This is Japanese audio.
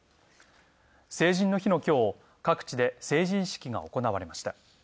成人の日の今日、各地で成人式が行われました。